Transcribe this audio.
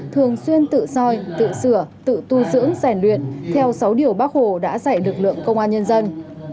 thường xuyên tự soi tự sửa tự tu dưỡng rèn luyện theo sáu điều bác hồ đã dạy lực lượng công an nhân dân